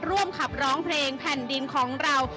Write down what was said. ร่วมขับร้องเพลงแผ่นดินของเรา